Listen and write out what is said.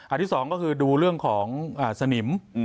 อันที่๒ก็คือดูเรื่องของสนิม